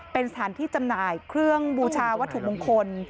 เป็นสถานที่จำหน่ายเครื่องบูชาวัตถุมงคล